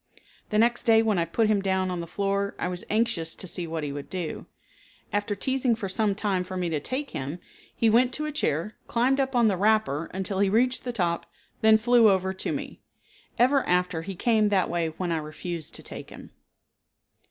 The next day when I put him down on the floor I was anxious to see what he would do. After teasing for some time for me to take him, he went to a chair, climbed up on the wrapper until he reached the top, then flew over to me. Ever after he came that way when I refused to take him.